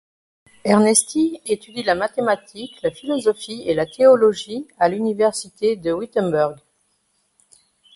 Ernesti étudie la mathématique, la philosophie et la théologie à l'université de Wittemberg.